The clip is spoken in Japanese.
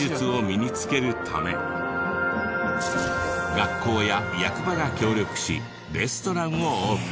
学校や役場が協力しレストランをオープン。